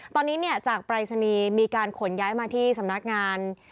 ตอนนี้จากปรายศนีย์มีการขนย้ายมาที่สำนักงาน